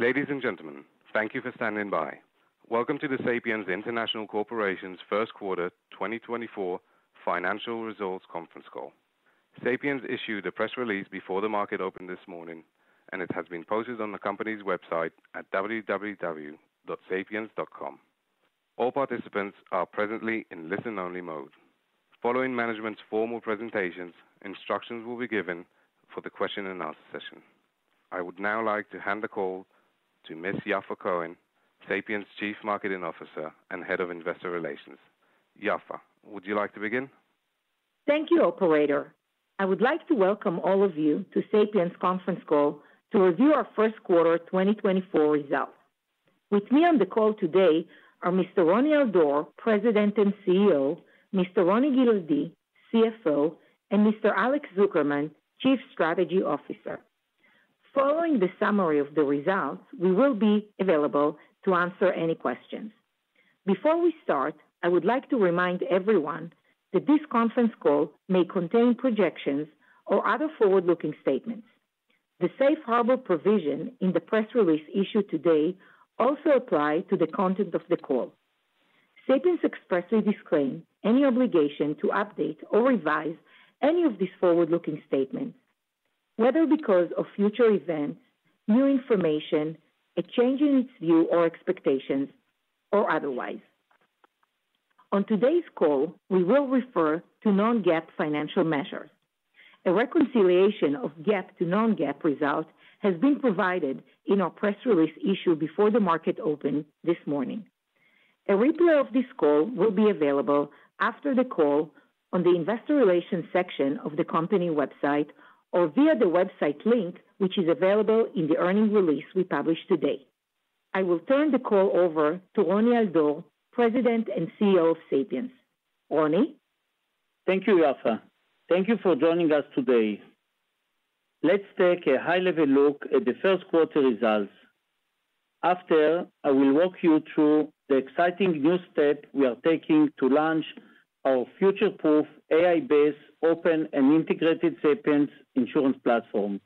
Ladies and gentlemen, thank you for standing by. Welcome to the Sapiens International Corporation's first quarter 2024 financial results conference call. Sapiens issued a press release before the market opened this morning, and it has been posted on the company's website at www.sapiens.com. All participants are presently in listen-only mode. Following management's formal presentations, instructions will be given for the question-and-answer session. I would now like to hand the call to Ms. Yaffa Cohen, Sapiens Chief Marketing Officer and Head of Investor Relations. Yaffa, would you like to begin? Thank you, Operator. I would like to welcome all of you to Sapiens conference call to review our first quarter 2024 results. With me on the call today are Mr. Roni Al-Dor, President and CEO, Mr. Roni Giladi, CFO, and Mr. Alex Zukerman, Chief Strategy Officer. Following the summary of the results, we will be available to answer any questions. Before we start, I would like to remind everyone that this conference call may contain projections or other forward-looking statements. The safe harbor provision in the press release issued today also applies to the content of the call. Sapiens expressly disclaims any obligation to update or revise any of these forward-looking statements, whether because of future events, new information, a change in its view or expectations, or otherwise. On today's call, we will refer to non-GAAP financial measures. A reconciliation of GAAP to non-GAAP results has been provided in our press release issued before the market opened this morning. A replay of this call will be available after the call on the investor relations section of the company website or via the website link which is available in the earnings release we published today. I will turn the call over to Roni Al-Dor, President and CEO of Sapiens. Roni? Thank you, Yaffa. Thank you for joining us today. Let's take a high-level look at the first quarter results. After, I will walk you through the exciting new step we are taking to launch our future-proof, AI-based, open, and integrated Sapiens Insurance Platform.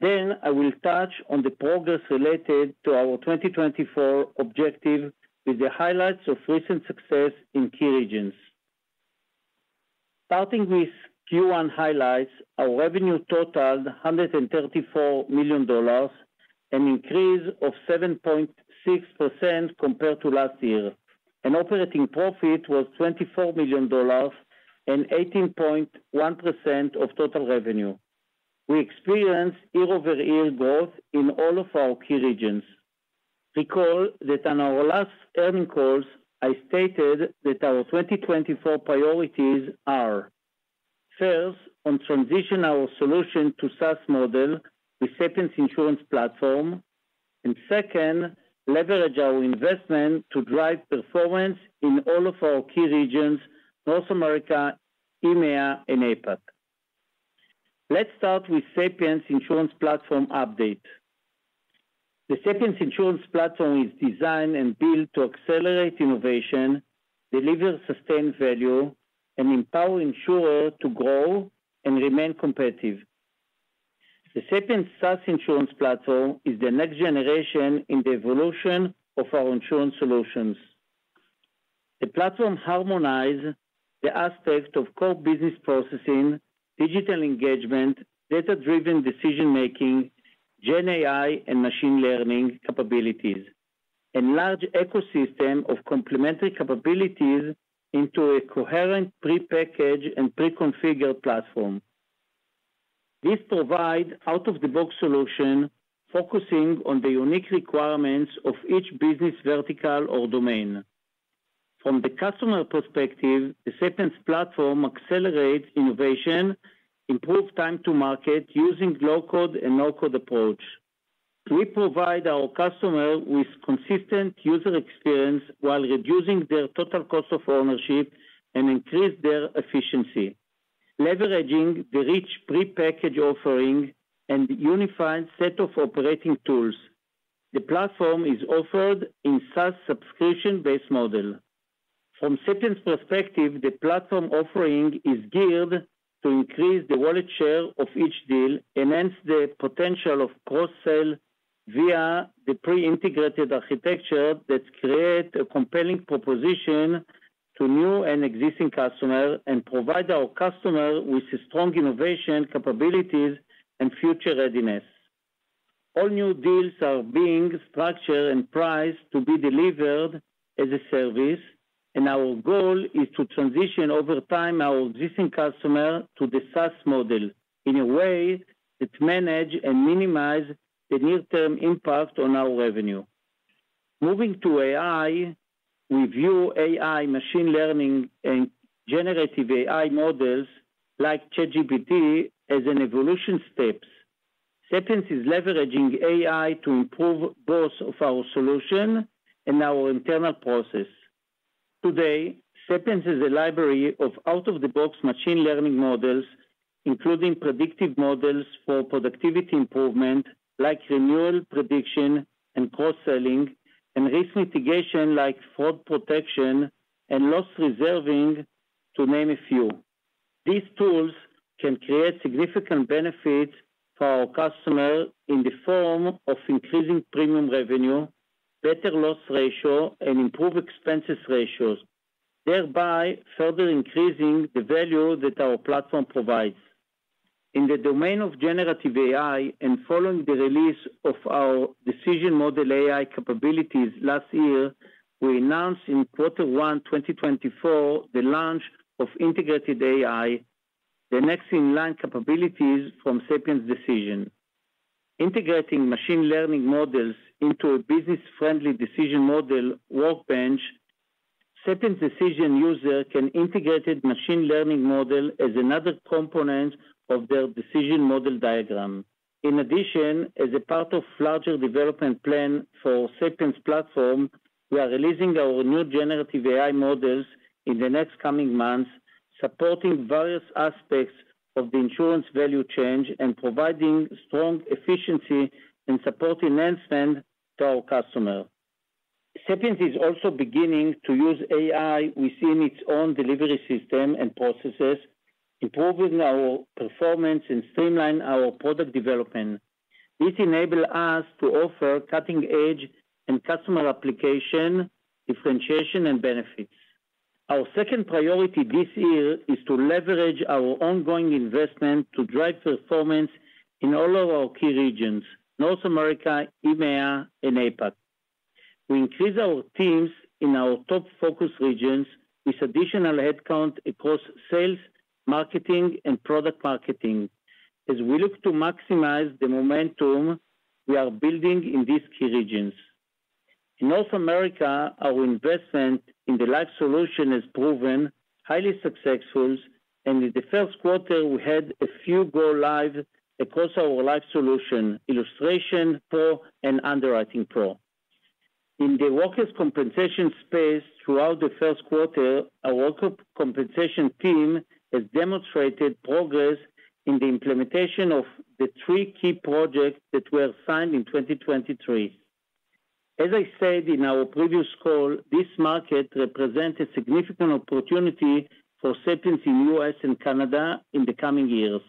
Then I will touch on the progress related to our 2024 objective with the highlights of recent success in key regions. Starting with Q1 highlights, our revenue totaled $134 million, an increase of 7.6% compared to last year. Operating profit was $24 million and 18.1% of total revenue. We experienced year-over-year growth in all of our key regions. Recall that on our last earnings calls, I stated that our 2024 priorities are: first, to transition our solution to SaaS model with Sapiens Insurance Platform; and second, leverage our investment to drive performance in all of our key regions, North America, EMEA, and APAC. Let's start with Sapiens Insurance Platform update. The Sapiens Insurance Platform is designed and built to accelerate innovation, deliver sustained value, and empower insurers to grow and remain competitive. The Sapiens SaaS Insurance Platform is the next generation in the evolution of our insurance solutions. The platform harmonizes the aspects of core business processing, digital engagement, data-driven decision-making, GenAI, and machine learning capabilities, and a large ecosystem of complementary capabilities into a coherent pre-packaged and pre-configured platform. This provides an out-of-the-box solution focusing on the unique requirements of each business vertical or domain. From the customer perspective, the Sapiens Insurance Platform accelerates innovation, improves time-to-market using a low-code and no-code approach. We provide our customers with a consistent user experience while reducing their total cost of ownership and increasing their efficiency, leveraging the rich pre-packaged offering and a unified set of operating tools. The platform is offered in a SaaS subscription-based model. From Sapiens' perspective, the platform offering is geared to increase the wallet share of each deal, enhance the potential of cross-sell via the pre-integrated architecture that creates a compelling proposition to new and existing customers, and provide our customers with strong innovation capabilities and future readiness. All new deals are being structured and priced to be delivered as a service, and our goal is to transition over time our existing customers to the SaaS model in a way that manages and minimizes the near-term impact on our revenue. Moving to AI, we view AI, machine learning, and generative AI models like ChatGPT as evolutionary steps. Sapiens is leveraging AI to improve both of our solutions and our internal processes. Today, Sapiens is a library of out-of-the-box machine learning models, including predictive models for productivity improvement like renewal prediction and cross-selling, and risk mitigation like fraud protection and loss reserving, to name a few. These tools can create significant benefits for our customers in the form of increasing premium revenue, better loss ratio, and improved expense ratios, thereby further increasing the value that our platform provides. In the domain of generative AI, and following the release of our decision-model AI capabilities last year, we announced in quarter one 2024 the launch of Integrated AI, the next-in-line capabilities from Sapiens Decision. Integrating machine learning models into a business-friendly decision model workbench, Sapiens Decision users can integrate the machine learning model as another component of their decision model diagram. In addition, as a part of a larger development plan for the Sapiens platform, we are releasing our new generative AI models in the next coming months, supporting various aspects of the insurance value chain and providing strong efficiency and support enhancement to our customers. Sapiens is also beginning to use AI within its own delivery system and processes, improving our performance and streamlining our product development. This enables us to offer cutting-edge and customer-application differentiation and benefits. Our second priority this year is to leverage our ongoing investment to drive performance in all of our key regions, North America, EMEA, and APAC. We increase our teams in our top focus regions with additional headcount across sales, marketing, and product marketing, as we look to maximize the momentum we are building in these key regions. In North America, our investment in the Life solution has proven highly successful, and in the first quarter, we had a few go-lives across our Life solution: IllustrationPro and UnderwritingPro. In the workers' compensation space throughout the first quarter, our workers' compensation team has demonstrated progress in the implementation of the three key projects that were signed in 2023. As I said in our previous call, this market represents a significant opportunity for Sapiens in the U.S. and Canada in the coming years.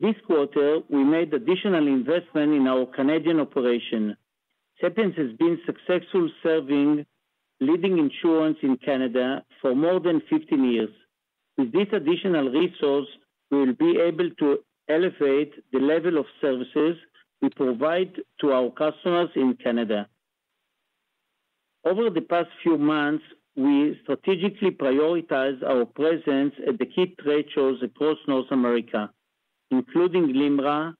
This quarter, we made additional investment in our Canadian operation. Sapiens has been successfully serving leading insurers in Canada for more than 15 years. With this additional resource, we will be able to elevate the level of services we provide to our customers in Canada. Over the past few months, we strategically prioritized our presence at the key tradeshows across North America, including LIMRA,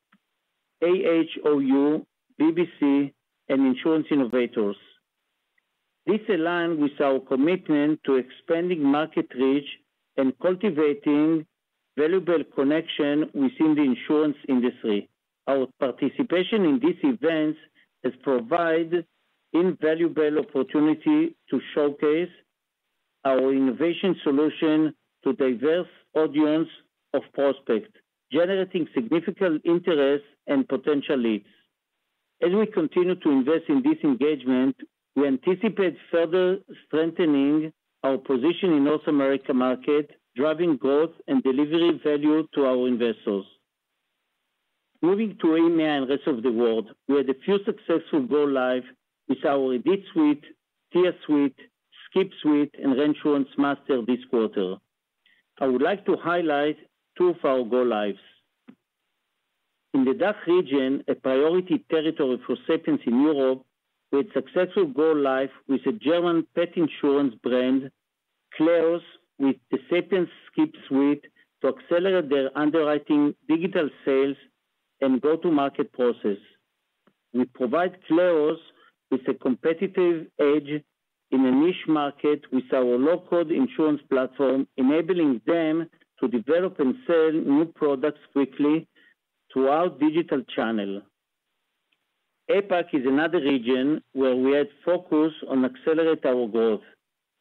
AHOU, BBC, and Insurance Innovators. This aligns with our commitment to expanding market reach and cultivating valuable connections within the insurance industry. Our participation in these events has provided invaluable opportunities to showcase our innovative solution to a diverse audience of prospects, generating significant interest and potential leads. As we continue to invest in this engagement, we anticipate further strengthening our position in the North American market, driving growth and delivering value to our investors. Moving to EMEA and the rest of the world, we had a few successful go-lives with our IDITSuite, TIA Suite, SCIPSuite, and ReinsuranceMaster this quarter. I would like to highlight two of our go-lives. In the DACH region, a priority territory for Sapiens in Europe, we had successful go live with the German pet insurance brand Cleos with the Sapiens SCIPSuite to accelerate their underwriting digital sales and go-to-market process. We provide Cleos with a competitive edge in a niche market with our low-code insurance platform, enabling them to develop and sell new products quickly through our digital channel. APAC is another region where we had focus on accelerating our growth.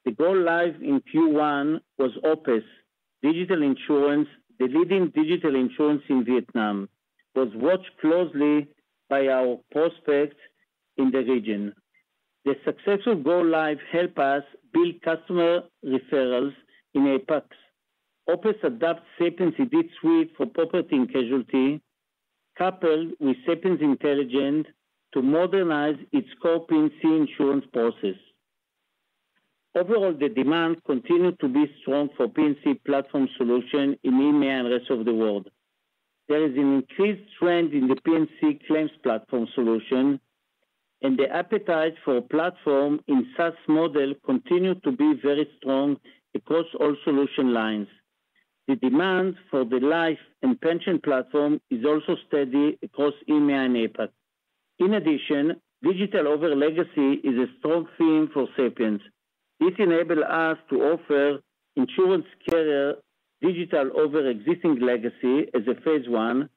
The go live in Q1 was OPES, the leading digital insurance in Vietnam, which was watched closely by our prospects in the region. The successful go live helped us build customer referrals in APAC. OPES adopted Sapiens IDITSuite for property and casualty, coupled with Sapiens Intelligence, to modernize its core P&C insurance process. Overall, the demand continues to be strong for the P&C platform solution in EMEA and the rest of the world. There is an increased trend in the P&C claims platform solution, and the appetite for a platform in the SaaS model continues to be very strong across all solution lines. The demand for the life and pension platform is also steady across EMEA and APAC. In addition, digital over legacy is a strong theme for Sapiens. This enables us to offer insurance carriers digital over existing legacy as a phase one,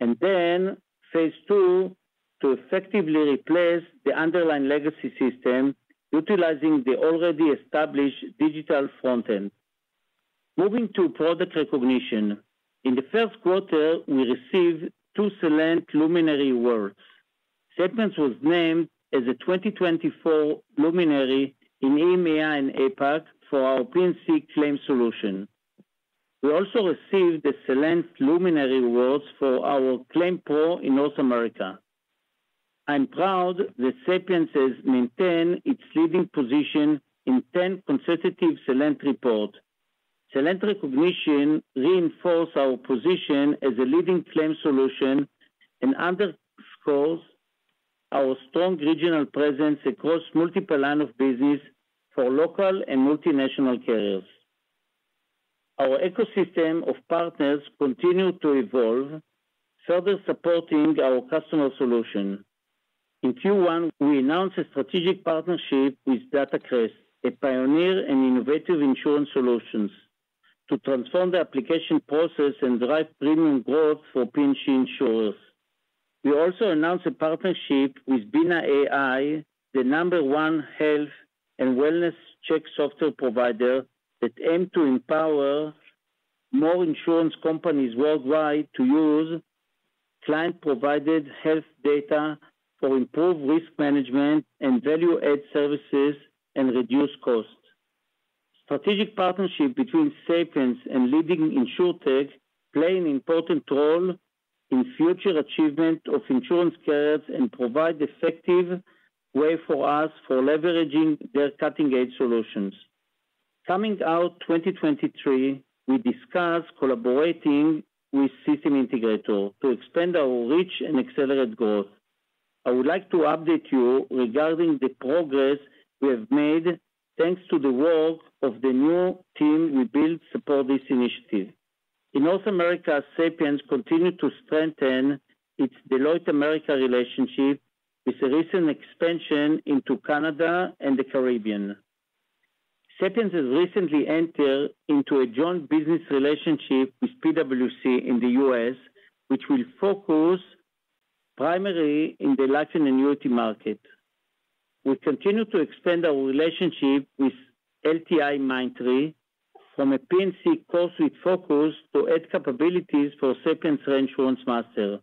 and then phase two to effectively replace the underlying legacy system utilizing the already established digital frontend. Moving to product recognition, in the first quarter, we received two Celent Luminary awards. Sapiens was named as a 2024 Luminary in EMEA and APAC for our P&C claims solution. We also received the Celent Luminary awards for our ClaimsPro in North America. I'm proud that Sapiens has maintained its leading position in 10 consecutive Celent reports. Celent recognition reinforces our position as a leading claims solution and underscores our strong regional presence across multiple lines of business for local and multinational carriers. Our ecosystem of partners continues to evolve, further supporting our customer solution. In Q1, we announced a strategic partnership with DataCrest, a pioneer and innovative insurance solution, to transform the application process and drive premium growth for P&C insurers. We also announced a partnership with Binah.ai, the number one health and wellness check software provider that aims to empower more insurance companies worldwide to use client-provided health data for improved risk management and value-add services and reduced costs. Strategic partnerships between Sapiens and leading insurtech play an important role in future achievements of insurance carriers and provide an effective way for us to leverage their cutting-edge solutions. Coming out of 2023, we discussed collaborating with system integrators to expand our reach and accelerate growth. I would like to update you regarding the progress we have made thanks to the work of the new team we built to support this initiative. In North America, Sapiens continues to strengthen its Deloitte relationship with a recent expansion into Canada and the Caribbean. Sapiens has recently entered into a joint business relationship with PwC in the U.S., which will focus primarily in the life and annuity market. We continue to expand our relationship with LTIMindtree from a P&C focus to add capabilities for Sapiens ReinsuranceMaster.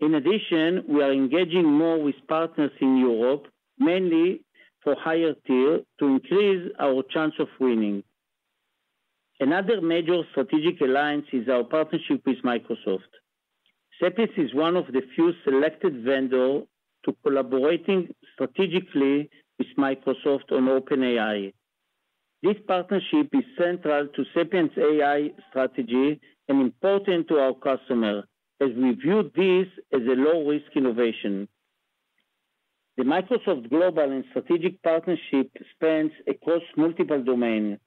In addition, we are engaging more with partners in Europe, mainly for higher tiers, to increase our chance of winning. Another major strategic alliance is our partnership with Microsoft. Sapiens is one of the few selected vendors to collaborate strategically with Microsoft on OpenAI. This partnership is central to Sapiens' AI strategy and important to our customers, as we view this as a low-risk innovation. The Microsoft Global and Strategic Partnership spans across multiple domains.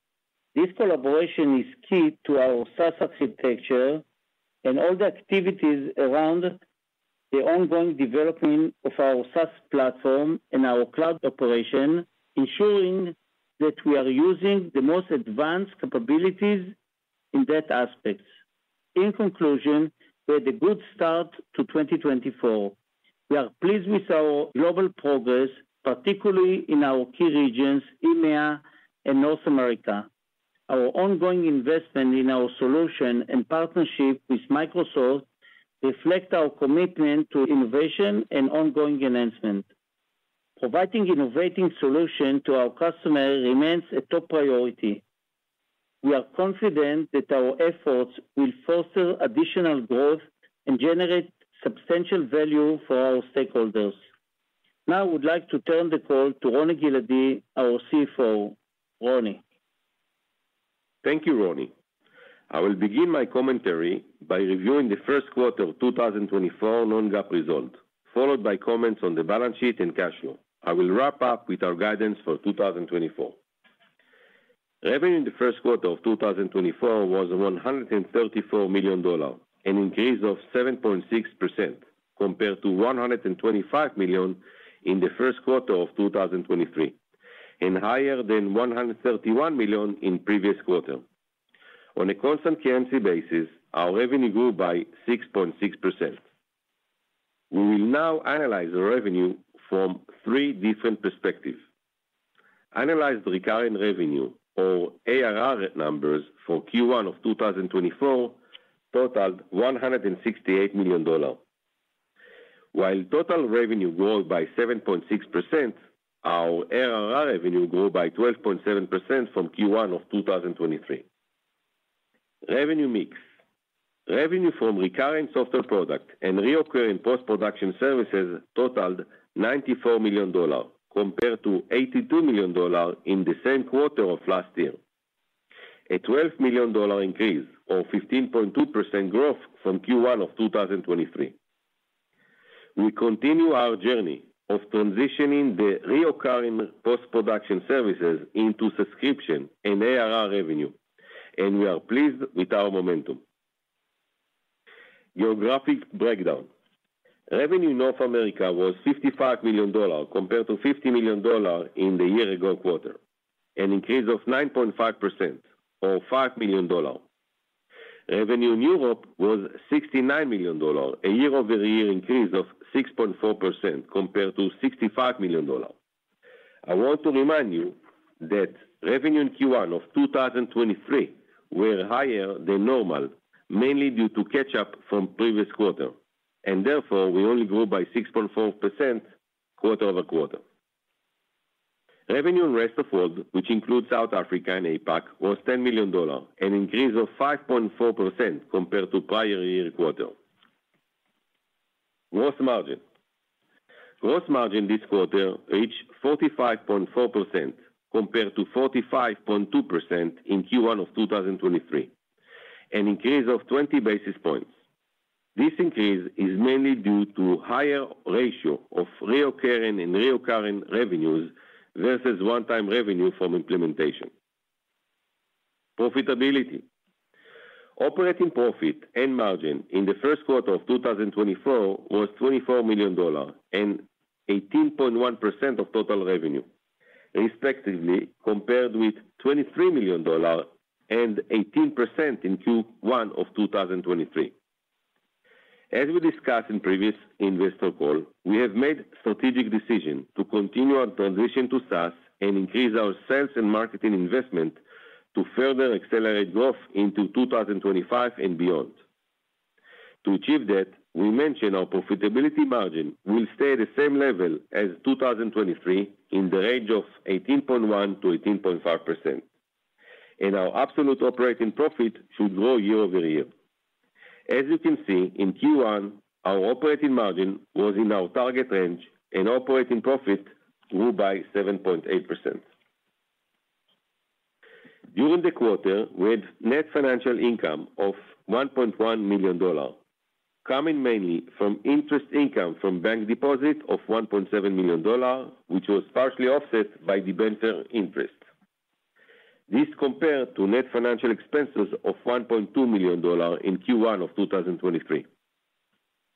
This collaboration is key to our SaaS architecture and all the activities around the ongoing development of our SaaS platform and our cloud operation, ensuring that we are using the most advanced capabilities in that aspect. In conclusion, we had a good start to 2024. We are pleased with our global progress, particularly in our key regions, EMEA and North America. Our ongoing investment in our solution and partnership with Microsoft reflects our commitment to innovation and ongoing enhancement. Providing innovative solutions to our customers remains a top priority. We are confident that our efforts will foster additional growth and generate substantial value for our stakeholders. Now, I would like to turn the call to Roni Giladi, our CFO. Roni. Thank you, Roni. I will begin my commentary by reviewing the first quarter of 2024 non-GAAP results, followed by comments on the balance sheet and cash flow. I will wrap up with our guidance for 2024. Revenue in the first quarter of 2024 was $134 million, an increase of 7.6% compared to $125 million in the first quarter of 2023, and higher than $131 million in the previous quarter. On a constant currency basis, our revenue grew by 6.6%. We will now analyze our revenue from three different perspectives. Annualized recurring revenue, or ARR numbers for Q1 of 2024, totaled $168 million. While total revenue grew by 7.6%, our ARR revenue grew by 12.7% from Q1 of 2023. Revenue mix: Revenue from recurring software products and recurring post-production services totaled $94 million compared to $82 million in the same quarter of last year. A $12 million increase, or 15.2% growth, from Q1 of 2023. We continue our journey of transitioning the recurring post-production services into subscription and ARR revenue, and we are pleased with our momentum. Geographic breakdown: Revenue in North America was $55 million compared to $50 million in the year-ago quarter, an increase of 9.5%, or $5 million. Revenue in Europe was $69 million, a year-over-year increase of 6.4% compared to $65 million. I want to remind you that revenue in Q1 of 2023 was higher than normal, mainly due to catch-up from the previous quarter, and therefore we only grew by 6.4% quarter-over-quarter. Revenue in the rest of the world, which includes South Africa and APAC, was $10 million, an increase of 5.4% compared to the prior year quarter. Gross margin: Gross margin this quarter reached 45.4% compared to 45.2% in Q1 of 2023, an increase of 20 basis points. This increase is mainly due to a higher ratio of recurring and recurring revenues versus one-time revenue from implementation. Profitability: Operating profit and margin in the first quarter of 2024 was $24 million and 18.1% of total revenue, respectively compared with $23 million and 18% in Q1 of 2023. As we discussed in the previous investor call, we have made a strategic decision to continue our transition to SaaS and increase our sales and marketing investment to further accelerate growth into 2025 and beyond. To achieve that, we mentioned our profitability margin will stay at the same level as 2023 in the range of 18.1%-18.5%, and our absolute operating profit should grow year-over-year. As you can see, in Q1, our operating margin was in our target range, and operating profit grew by 7.8%. During the quarter, we had net financial income of $1.1 million, coming mainly from interest income from bank deposits of $1.7 million, which was partially offset by debenture interest. This compared to net financial expenses of $1.2 million in Q1 of 2023.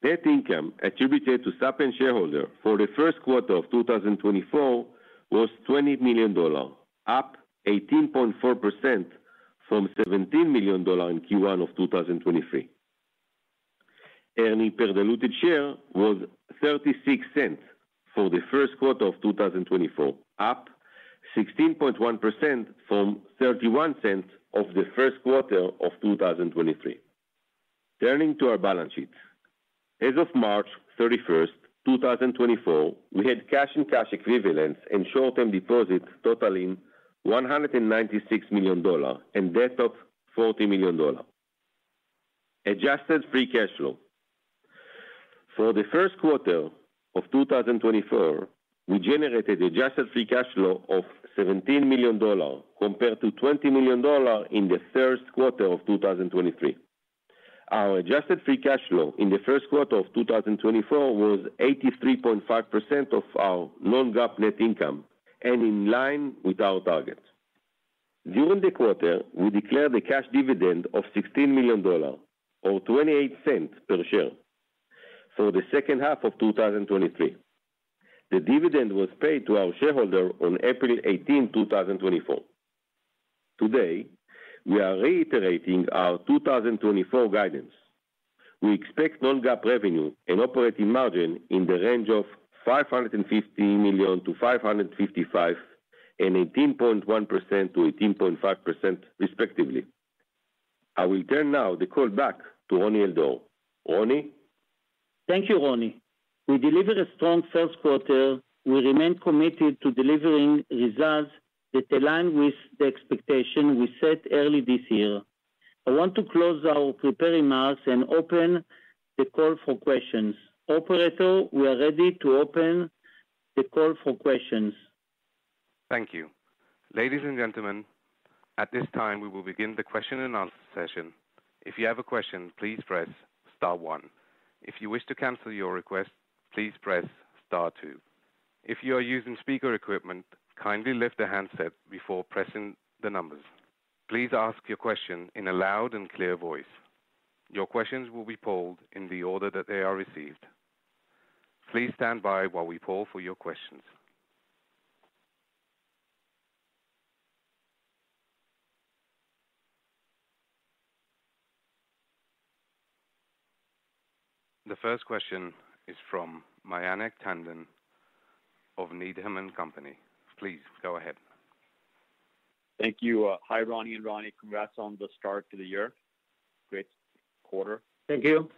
Net income attributed to Sapiens shareholders for the first quarter of 2024 was $20 million, up 18.4% from $17 million in Q1 of 2023. Earnings per diluted share was $0.36 for the first quarter of 2024, up 16.1% from $0.31 of the first quarter of 2023. Turning to our balance sheet. As of March 31, 2024, we had cash and cash equivalents and short-term deposits totaling $196 million and net of $40 million. Adjusted free cash flow: For the first quarter of 2024, we generated adjusted free cash flow of $17 million compared to $20 million in the first quarter of 2023. Our adjusted free cash flow in the first quarter of 2024 was 83.5% of our non-GAAP net income and in line with our target. During the quarter, we declared a cash dividend of $16 million or $0.28 per share for the second half of 2023. The dividend was paid to our shareholders on April 18, 2024. Today, we are reiterating our 2024 guidance. We expect non-GAAP revenue and operating margin in the range of $550 million-$555 million and 18.1%-18.5%, respectively. I will turn now the call back to Roni Al-Dor. Roni? Thank you, Roni. We delivered a strong first quarter. We remain committed to delivering results that align with the expectations we set early this year. I want to close our prepared remarks and open the call for questions. Operator, we are ready to open the call for questions. Thank you. Ladies and gentlemen, at this time, we will begin the question and answer session. If you have a question, please press star one. If you wish to cancel your request, please press star two. If you are using speaker equipment, kindly lift the handset before pressing the numbers. Please ask your question in a loud and clear voice. Your questions will be polled in the order that they are received. Please stand by while we poll for your questions. The first question is from Mayank Tandon of Needham & Company. Please go ahead. Thank you. Hi, Roni and Roni. Congrats on the start to the year. Great quarter. Thank you.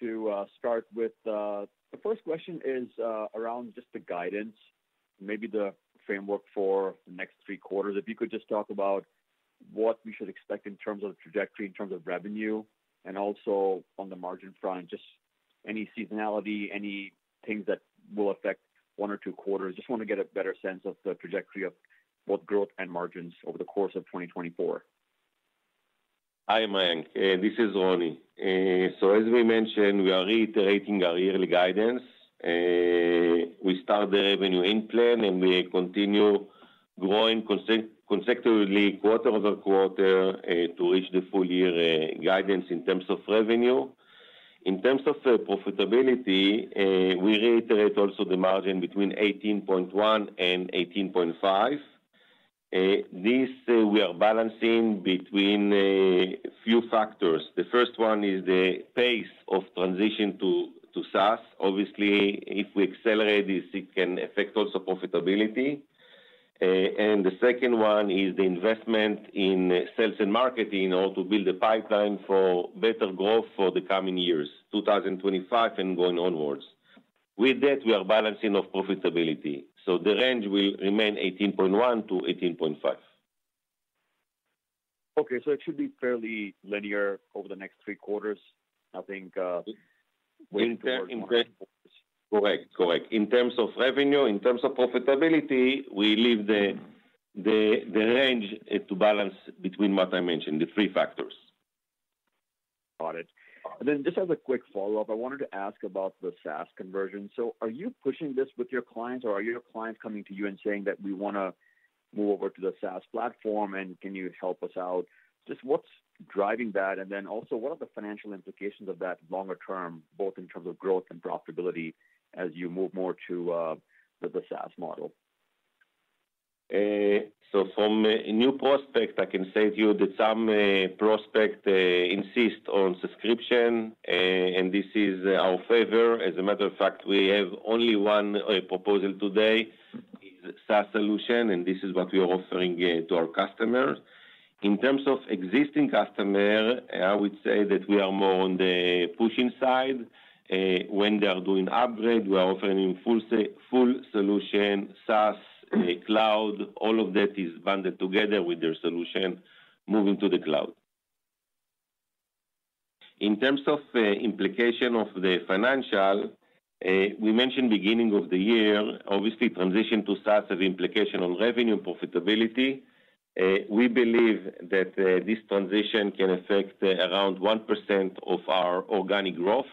To start with, the first question is around just the guidance, maybe the framework for the next three quarters. If you could just talk about what we should expect in terms of the trajectory, in terms of revenue, and also on the margin front, just any seasonality, any things that will affect one or two quarters. Just want to get a better sense of the trajectory of both growth and margins over the course of 2024. Hi, Mayank. This is Roni. So as we mentioned, we are reiterating our yearly guidance. We start the revenue in-plan, and we continue growing consecutively quarter over quarter to reach the full-year guidance in terms of revenue. In terms of profitability, we reiterate also the margin 18.1%-18.5%. This we are balancing between a few factors. The first one is the pace of transition to SaaS. Obviously, if we accelerate this, it can affect also profitability. And the second one is the investment in sales and marketing in order to build a pipeline for better growth for the coming years, 2025 and going onwards. With that, we are balancing off profitability. So the range will remain 18.1%-18.5%. Okay. So it should be fairly linear over the next three quarters, I think, waiting towards market quarters. Correct. Correct. In terms of revenue, in terms of profitability, we leave the range to balance between what I mentioned, the three factors. Got it. And then just as a quick follow-up, I wanted to ask about the SaaS conversion. So are you pushing this with your clients, or are your clients coming to you and saying that we want to move over to the SaaS platform, and can you help us out? Just what's driving that, and then also what are the financial implications of that longer term, both in terms of growth and profitability as you move more to the SaaS model? So from a new prospect, I can say to you that some prospects insist on subscription, and this is our favor. As a matter of fact, we have only one proposal today. It's a SaaS solution, and this is what we are offering to our customers. In terms of existing customers, I would say that we are more on the pushing side. When they are doing upgrade, we are offering them full solution, SaaS, cloud. All of that is bundled together with their solution, moving to the cloud. In terms of implication of the financial, we mentioned beginning of the year, obviously, transition to SaaS have implication on revenue and profitability. We believe that this transition can affect around 1% of our organic growth.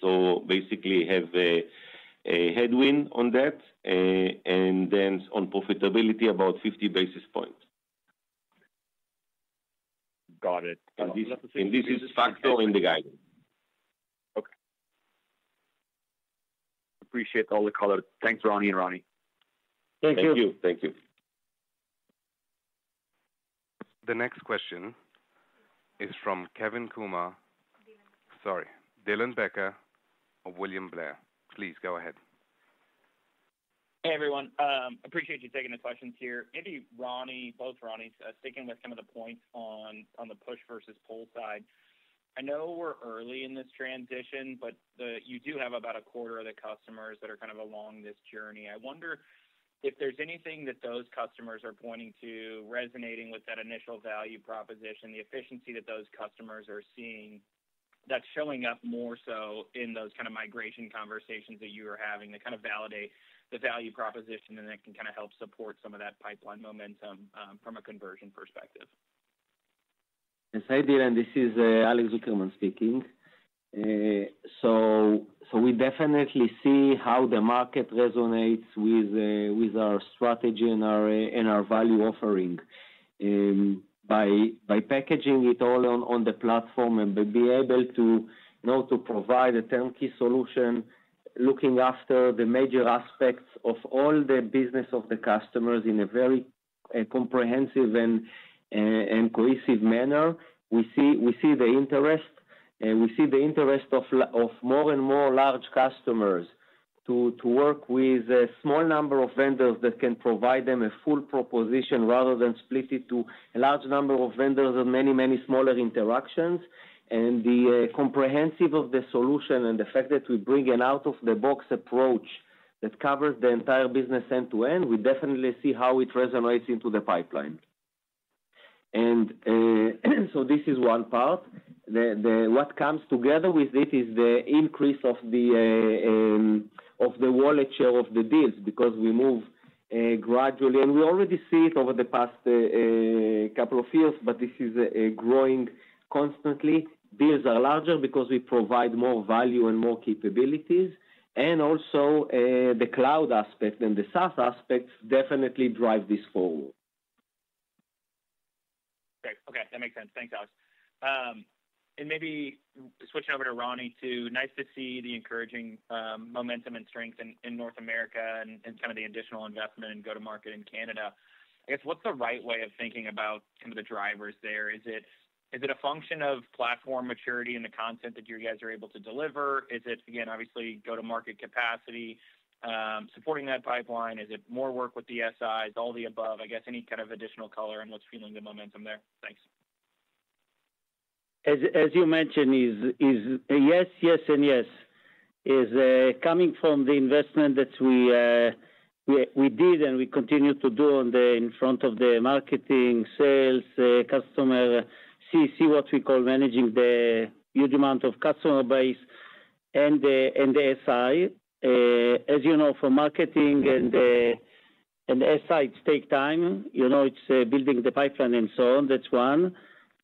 So basically, have a headwind on that, and then on profitability, about 50 basis points. Got it. And this is factor in the guidance. Okay. Appreciate all the color. Thanks, Roni and Roni. Thank you. Thank you. Thank you. The next question is from Kevin Kumar sorry, Dylan Becker of William Blair. Please go ahead. Hey, everyone. Appreciate you taking the questions here. Alex, Roni, both Ronis, sticking with some of the points on the push versus pull side. I know we're early in this transition, but you do have about a quarter of the customers that are kind of along this journey. I wonder if there's anything that those customers are pointing to resonating with that initial value proposition, the efficiency that those customers are seeing that's showing up more so in those kind of migration conversations that you are having that kind of validate the value proposition, and that can kind of help support some of that pipeline momentum from a conversion perspective. Yes, hi, Dylan. This is Alex Zukerman speaking. So we definitely see how the market resonates with our strategy and our value offering by packaging it all on the platform and be able to provide a turnkey solution looking after the major aspects of all the business of the customers in a very comprehensive and cohesive manner. We see the interest. We see the interest of more and more large customers to work with a small number of vendors that can provide them a full proposition rather than split it to a large number of vendors and many, many smaller interactions. And the comprehensive of the solution and the fact that we bring an out-of-the-box approach that covers the entire business end-to-end, we definitely see how it resonates into the pipeline. And so this is one part. What comes together with it is the increase of the wallet share of the deals because we move gradually. And we already see it over the past couple of years, but this is growing constantly. Deals are larger because we provide more value and more capabilities. And also, the cloud aspect and the SaaS aspect definitely drive this forward. Okay. Okay. That makes sense. Thanks, Alex. And maybe switching over to Ronnie too, nice to see the encouraging momentum and strength in North America and kind of the additional investment and go-to-market in Canada. I guess, what's the right way of thinking about kind of the drivers there? Is it a function of platform maturity and the content that you guys are able to deliver? Is it, again, obviously, go-to-market capacity, supporting that pipeline? Is it more work with the SIs, all the above? I guess, any kind of additional color on what's fueling the momentum there? Thanks. As you mentioned, yes, yes, and yes. It's coming from the investment that we did and we continue to do in front of the marketing, sales, customer success, what we call managing the huge amount of customer base and the SI. As you know, for marketing and SI, it takes time. It's building the pipeline and so on. That's one.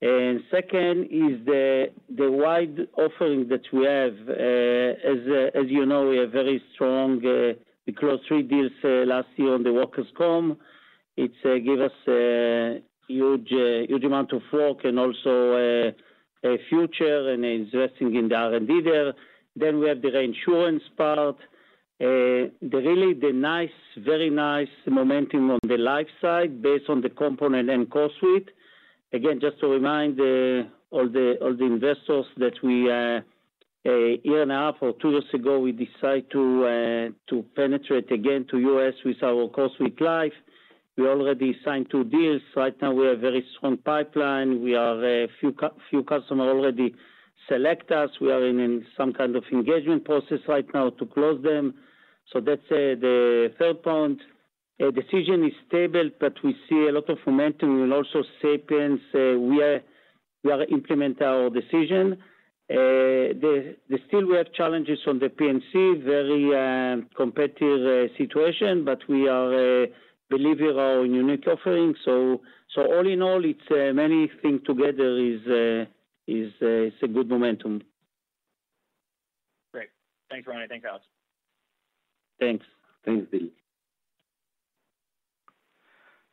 And second is the wide offering that we have. As you know, we have very strong; we closed three deals last year on the workers' comp. It gave us a huge amount of work and also a future and investing in the R&D there. Then we have the reinsurance part. Really, the nice, very nice momentum on the life side based on the component and CoreSuite. Again, just to remind all the investors that a year and a half or two years ago, we decided to penetrate again to the U.S. with our CoreSuite Life. We already signed 2 deals. Right now, we have a very strong pipeline. A few customers already select us. We are in some kind of engagement process right now to close them. So that's the third point. Decision is stable, but we see a lot of momentum and also Sapiens Decision. We are implementing our Decision. Still, we have challenges on the P&C, very competitive situation, but we believe in our unique offering. So all in all, many things together is a good momentum. Great. Thanks, Roni. Thanks, Alex. Thanks. Thanks, Dylan.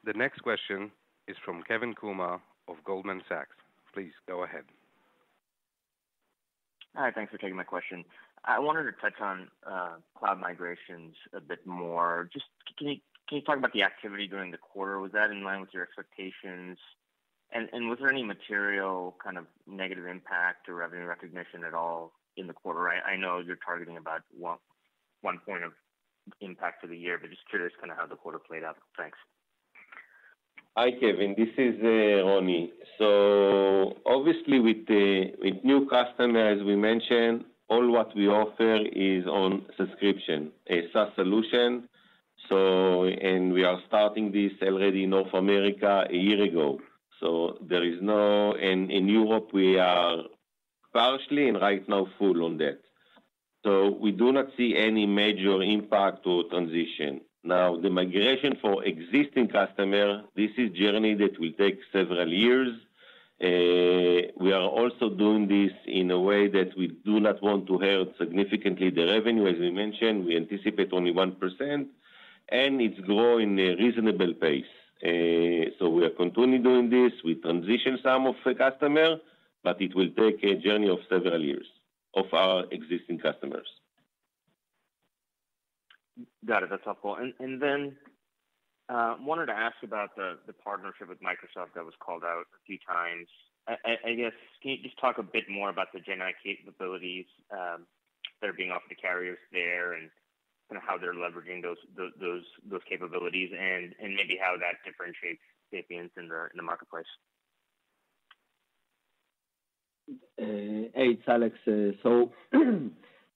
The next question is from Kevin Kumar of Goldman Sachs. Please go ahead. Hi. Thanks for taking my question. I wanted to touch on cloud migrations a bit more. Just can you talk about the activity during the quarter? Was that in line with your expectations? And was there any material kind of negative impact or revenue recognition at all in the quarter? I know you're targeting about one point of impact for the year, but just curious kind of how the quarter played out. Thanks. Hi, Kevin. This is Ronnie. So obviously, with new customers, as we mentioned, all what we offer is on subscription, a SaaS solution. And we are starting this already in North America a year ago. So there is no in Europe, we are partially and right now full on that. So we do not see any major impact or transition. Now, the migration for existing customers, this is a journey that will take several years. We are also doing this in a way that we do not want to hurt significantly the revenue. As we mentioned, we anticipate only 1%, and it's growing at a reasonable pace. So we are continuing doing this. We transition some of the customers, but it will take a journey of several years of our existing customers. Got it. That's helpful. And then wanted to ask about the partnership with Microsoft that was called out a few times. I guess, can you just talk a bit more about the GenAI capabilities that are being offered to carriers there and kind of how they're leveraging those capabilities and maybe how that differentiates Sapiens in the marketplace? Hey, it's Alex.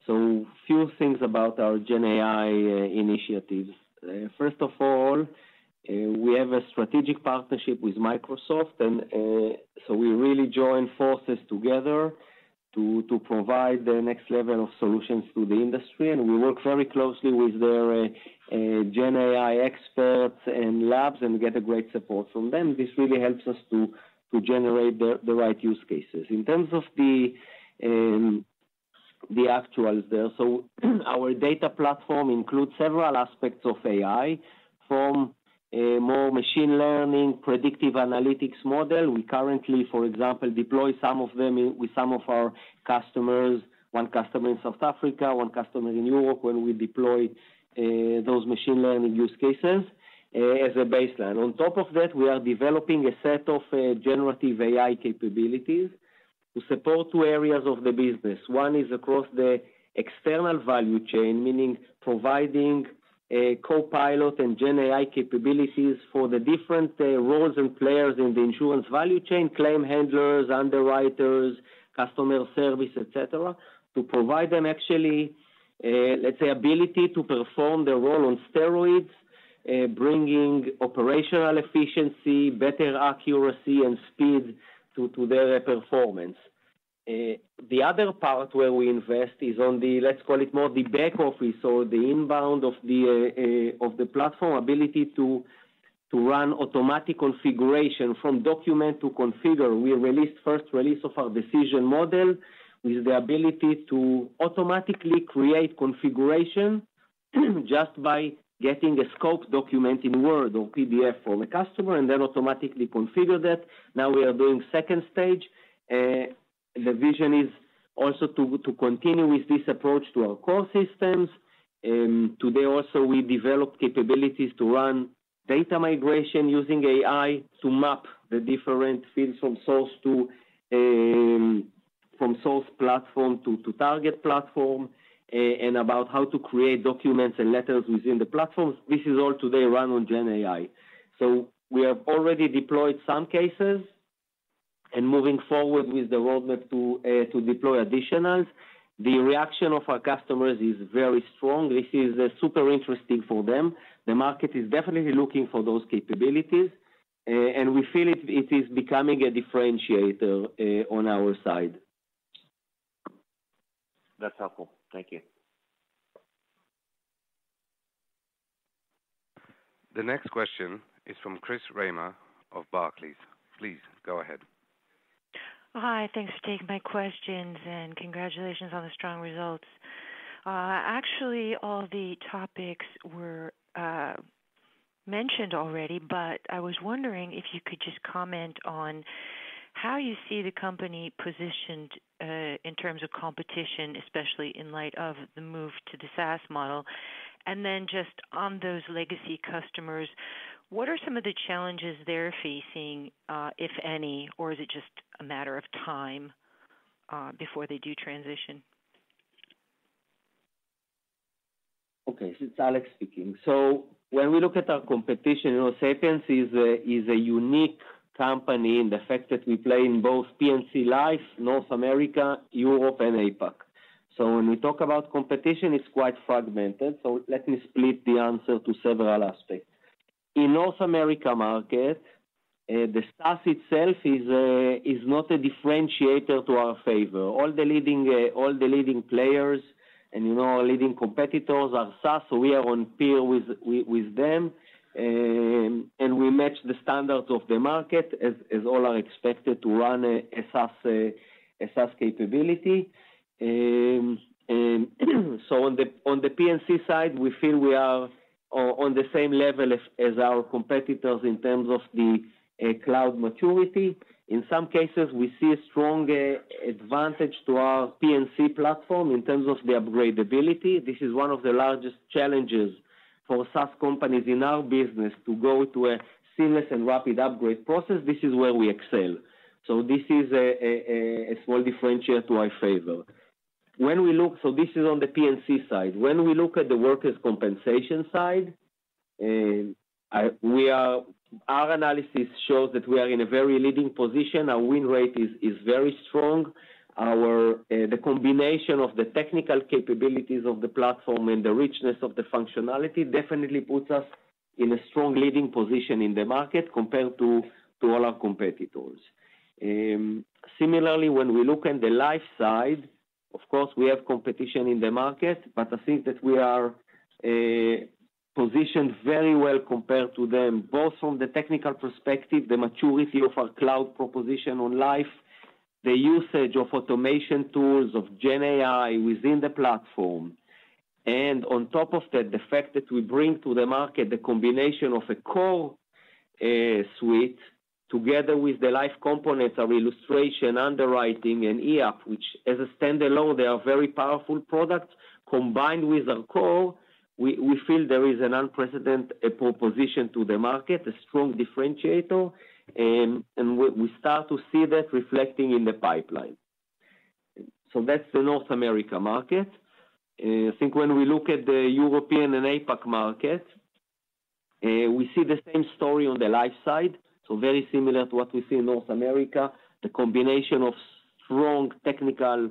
So a few things about our GenAI initiatives. First of all, we have a strategic partnership with Microsoft, and so we really join forces together to provide the next level of solutions to the industry. We work very closely with their GenAI experts and labs and get great support from them. This really helps us to generate the right use cases. In terms of the actuals there, so our data platform includes several aspects of AI from more machine learning, predictive analytics model. We currently, for example, deploy some of them with some of our customers, one customer in South Africa, one customer in Europe when we deploy those machine learning use cases as a baseline. On top of that, we are developing a set of generative AI capabilities to support two areas of the business. One is across the external value chain, meaning providing Copilot and GenAI capabilities for the different roles and players in the insurance value chain, claim handlers, underwriters, customer service, etc., to provide them, actually, let's say, ability to perform their role on steroids, bringing operational efficiency, better accuracy, and speed to their performance. The other part where we invest is on the, let's call it more, the back office or the inbound of the platform, ability to run automatic configuration from document to configure. We released first release of our decision model with the ability to automatically create configuration just by getting a scoped document in Word or PDF from a customer and then automatically configure that. Now, we are doing second stage. The vision is also to continue with this approach to our core systems. Today, also, we developed capabilities to run data migration using AI to map the different fields from source platform to target platform and about how to create documents and letters within the platforms. This is all today run on GenAI. So we have already deployed some cases and moving forward with the roadmap to deploy additional. The reaction of our customers is very strong. This is super interesting for them. The market is definitely looking for those capabilities, and we feel it is becoming a differentiator on our side. That's helpful. Thank you. The next question is from Chris Reimer of Barclays. Please go ahead. Hi. Thanks for taking my questions, and congratulations on the strong results. Actually, all the topics were mentioned already, but I was wondering if you could just comment on how you see the company positioned in terms of competition, especially in light of the move to the SaaS model. And then just on those legacy customers, what are some of the challenges they're facing, if any, or is it just a matter of time before they do transition? Okay. It's Alex speaking. So when we look at our competition, Sapiens is a unique company in the fact that we play in both P&C life, North America, Europe, and APAC. So when we talk about competition, it's quite fragmented. So let me split the answer to several aspects. In North America market, the SaaS itself is not a differentiator to our favor. All the leading players and leading competitors are SaaS, so we are on peer with them. We match the standards of the market as all are expected to run a SaaS capability. On the P&C side, we feel we are on the same level as our competitors in terms of the cloud maturity. In some cases, we see a strong advantage to our P&C platform in terms of the upgradability. This is one of the largest challenges for SaaS companies in our business to go to a seamless and rapid upgrade process. This is where we excel. This is a small differentiator to our favor. This is on the P&C side. When we look at the workers' compensation side, our analysis shows that we are in a very leading position. Our win rate is very strong. The combination of the technical capabilities of the platform and the richness of the functionality definitely puts us in a strong leading position in the market compared to all our competitors. Similarly, when we look at the life side, of course, we have competition in the market, but I think that we are positioned very well compared to them, both from the technical perspective, the maturity of our cloud proposition on life, the usage of automation tools of GenAI within the platform. On top of that, the fact that we bring to the market the combination of a core suite together with the life components, our illustration, underwriting, and eApp, which as a standalone, they are very powerful products, combined with our core, we feel there is an unprecedented proposition to the market, a strong differentiator. We start to see that reflecting in the pipeline. So that's the North America market. I think when we look at the European and APAC market, we see the same story on the life side. So very similar to what we see in North America, the combination of strong technical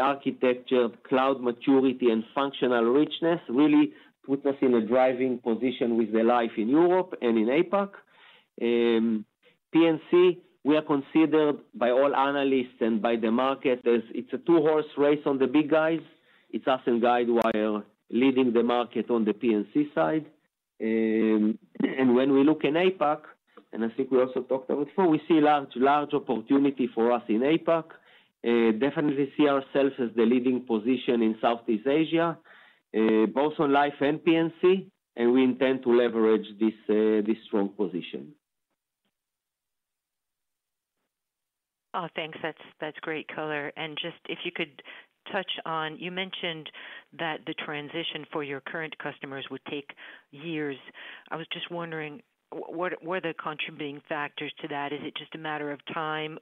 architecture, cloud maturity, and functional richness really puts us in a driving position with the life in Europe and in APAC. P&C, we are considered by all analysts and by the market as it's a two-horse race on the big guys. It's us and Guidewire leading the market on the P&C side. And when we look in APAC, and I think we also talked about before, we see large opportunity for us in APAC. Definitely see ourselves as the leading position in Southeast Asia, both on life and P&C, and we intend to leverage this strong position. Oh, thanks. That's great, color. Just if you could touch on you mentioned that the transition for your current customers would take years. I was just wondering, what are the contributing factors to that? Is it just a matter of time,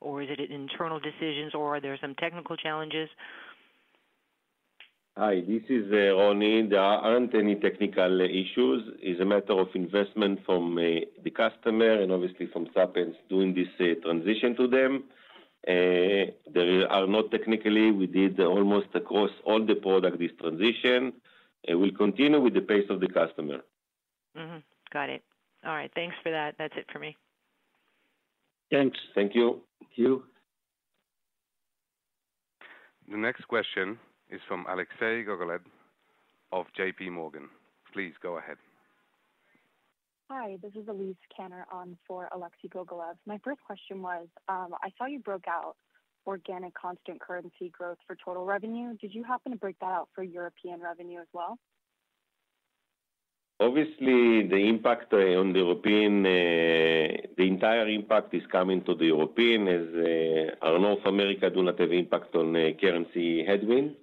or is it internal decisions, or are there some technical challenges? Hi. This is Roni. There aren't any technical issues. It's a matter of investment from the customer and obviously from Sapiens doing this transition to them. There are no technically. We did almost across all the product this transition. We'll continue with the pace of the customer. Got it. All right. Thanks for that. That's it for me. Thanks. Thank you. Thank you. The next question is from Alexei Gogolev of J.P. Morgan. Please go ahead. Hi. This is Elyse Kanner on for Alexei Gogolev. My first question was, I saw you broke out organic constant currency growth for total revenue. Did you happen to break that out for European revenue as well? Obviously, the impact on the European, the entire impact is coming to the European as our North America do not have impact on currency headwind.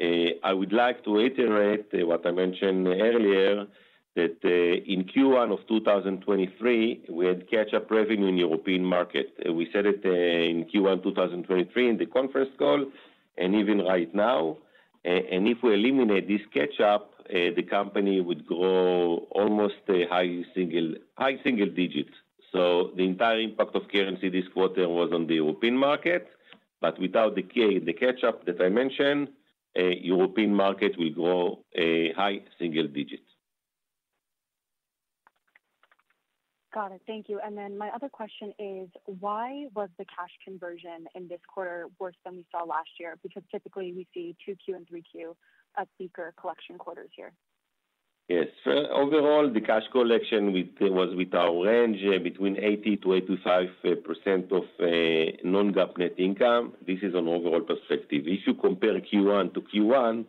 I would like to iterate what I mentioned earlier that in Q1 of 2023, we had catch-up revenue in the European market. We said it in Q1 2023 in the conference call and even right now. And if we eliminate this catch-up, the company would grow almost high single digits. So the entire impact of currency this quarter was on the European market. But without the catch-up that I mentioned, European market will grow high single digits. Got it. Thank you. And then my other question is, why was the cash conversion in this quarter worse than we saw last year? Because typically, we see 2Q and 3Q as bigger collection quarters here. Yes. Overall, the cash collection was with our range between 80%-85% of non-GAAP net income. This is an overall perspective. If you compare Q1 to Q1,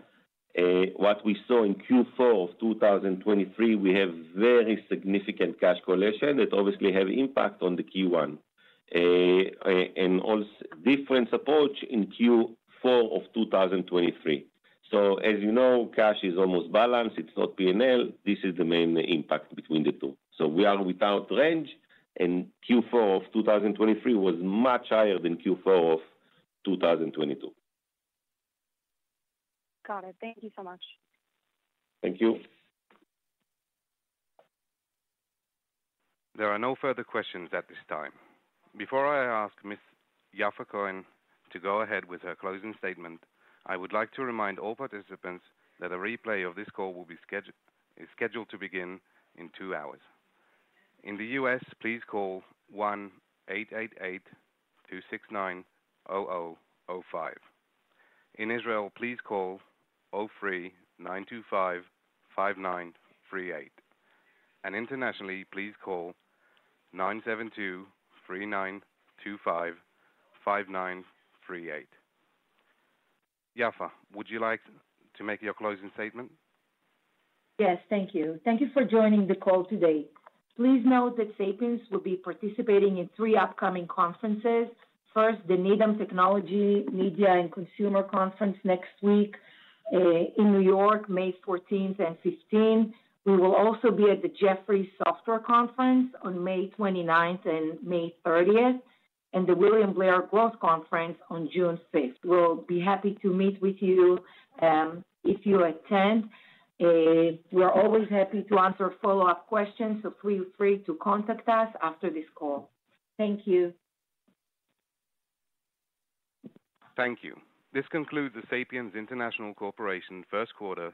what we saw in Q4 of 2023, we have very significant cash collection that obviously have impact on the Q1 and also different approach in Q4 of 2023. So as you know, cash is almost balanced. It's not P&L. This is the main impact between the two. So we are without range, and Q4 of 2023 was much higher than Q4 of 2022. Got it. Thank you so much. Thank you. There are no further questions at this time. Before I ask Ms. Yaffa Cohen to go ahead with her closing statement, I would like to remind all participants that a replay of this call will be scheduled to begin in two hours. In the U.S., please call 1-888-269-0005. In Israel, please call 03-925-5938. Internationally, please call 972-3925-5938. Yaffa, would you like to make your closing statement? Yes. Thank you. Thank you for joining the call today. Please note that Sapiens will be participating in three upcoming conferences. First, the Needham Technology, Media, and Consumer Conference next week in New York, May 14th and 15th. We will also be at the Jefferies Software Conference on May 29th and May 30th, and the William Blair Growth Conference on June 5th. We'll be happy to meet with you if you attend. We're always happy to answer follow-up questions, so feel free to contact us after this call. Thank you. Thank you. This concludes the Sapiens International Corporation first quarter.